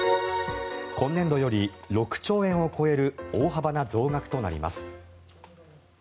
今年度より６兆円を超える大幅な増額となります。